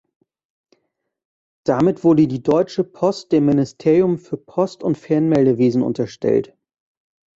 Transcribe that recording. Damit wurde die Deutsche Post dem Ministerium für Post- und Fernmeldewesen unterstellt.